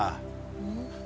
うん？